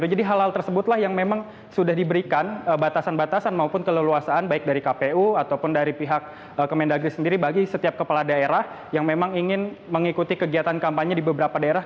jadi hal hal tersebutlah yang memang sudah diberikan batasan batasan maupun keleluasaan baik dari kpu ataupun dari pihak kemendagri sendiri bagi setiap kepala daerah yang memang ingin mengikuti kegiatan kampanye di beberapa daerah